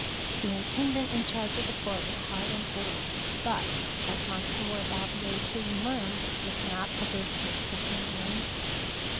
The intendant in charge of the fort was hard and cold, but, as Monsieur Valvier soon learned, was not averse to accepting a ransom.